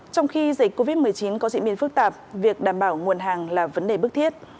trong khi dịch covid một mươi chín có diễn biến phức tạp việc đảm bảo nguồn hàng là vấn đề bức thiết